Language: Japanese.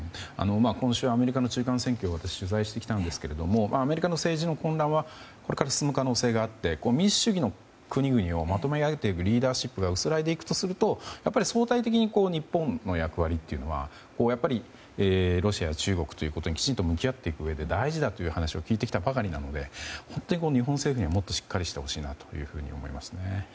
今週アメリカの中間選挙を私、取材してきたんですがアメリカの政治の混乱はこれから進む可能性があって民主主義の国々をまとめ上げていくリーダーシップが薄らいでいくとすると相対的に日本の役割というのはロシア、中国ということにきちんと向き合ううえで大事だという話を聞いてきたばかりなので本当に日本政府ももっとしっかりしてほしいなと思いました。